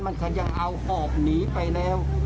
มันก็ยังเอาหอบหนีไปแล้ว